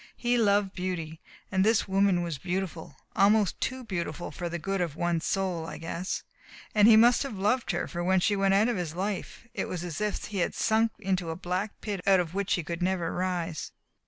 "He loved beauty. And this woman was beautiful, almost too beautiful for the good of one's soul, I guess. And he must have loved her, for when she went out of his life it was as if he had sunk into a black pit out of which he could never rise.